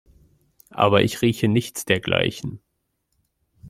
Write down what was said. Aber ich rieche nichts dergleichen.